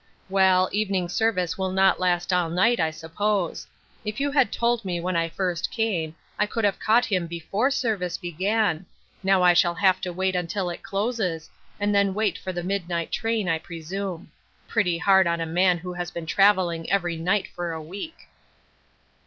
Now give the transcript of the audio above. " Well, evening service will not last all night, I suppose. If you had told me when I first came, I could have caught him before service began ; now I shall have to wait until it closes, and then wait for the midnight train, I presume. Pretty hard on a man who has been traveling every night for a week."